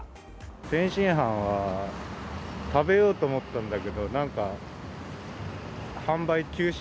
天津飯は食べようと思ったんだけれども、なんか販売休止。